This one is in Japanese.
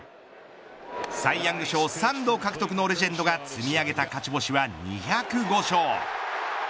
サイ・ヤング賞３度獲得のレジェンドが積み上げた勝ち星は２０５勝。